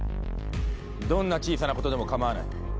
どんな小さなことでも構わない。